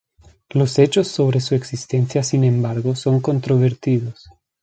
Los hechos sobre su existencia, sin embargo, son controvertidos.